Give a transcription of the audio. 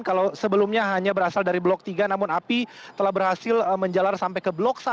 kalau sebelumnya hanya berasal dari blok tiga namun api telah berhasil menjalar sampai ke blok satu